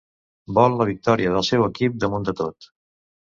Vol la victòria del seu equip damunt de tot.